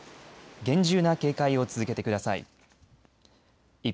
厳重な警戒を続けてください。